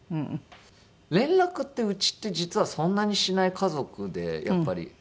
連絡ってうちって実はそんなにしない家族でやっぱり。